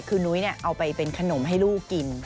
คือนุ้ยเอาไปเป็นขนมให้ลูกกิน